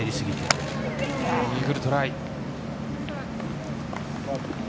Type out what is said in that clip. イーグルトライ。